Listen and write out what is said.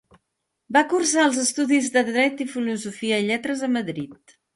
Va cursar els estudis de Dret i Filosofia i Lletres a Madrid.